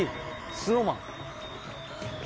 ＳｎｏｗＭａｎ